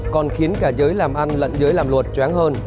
còn khiến cả giới làm ăn lẫn giới làm luật choáng hơn